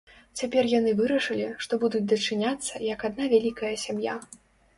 Цяпер яны вырашылі, што будуць дачыняцца, як адна вялікая сям'я.